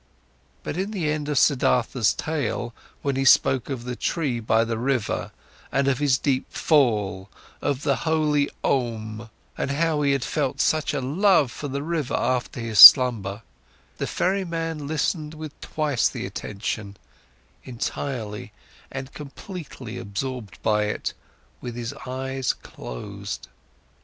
But in the end of Siddhartha's tale, when he spoke of the tree by the river, and of his deep fall, of the holy Om, and how he had felt such a love for the river after his slumber, the ferryman listened with twice the attention, entirely and completely absorbed by it, with his eyes closed.